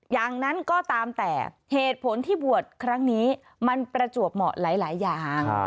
อย่างนั้นก็ตามแต่เหตุผลที่บวชครั้งนี้มันประจวบเหมาะหลายอย่าง